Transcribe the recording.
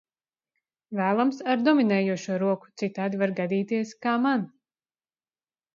Vēlams ar dominējošo roku, citādi var gadīties, kā man.